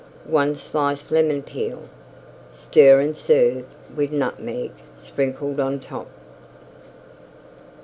1 slice Lemon Peel. Stir and serve with Nutmeg sprinkled on top.